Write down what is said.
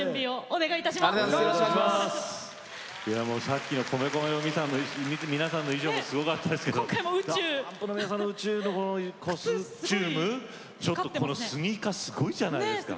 さっきの米米ＣＬＵＢの皆さんの衣装もすごかったですけどＤＡＰＵＭＰの皆さんの宇宙のコスチュームスニーカーすごいじゃないですか。